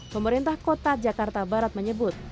pemerintah kota jakarta barat menyebut